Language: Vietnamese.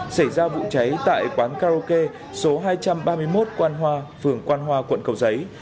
xảy ra vụ cháy tại quán karaoke số hai trăm ba mươi một quan hoa phường quan hoa quận cầu giấy